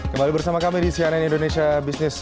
kembali bersama kami di cnn indonesia business